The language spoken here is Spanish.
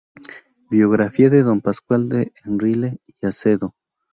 Biografía de don Pascual de Enrile y Acedo